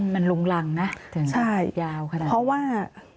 มันหลุงหลังนะยาวขนาดนี้ใช่เพราะว่า